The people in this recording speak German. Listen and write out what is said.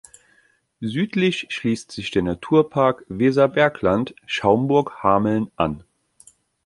Südlich schließt sich der Naturpark Weserbergland Schaumburg-Hameln an.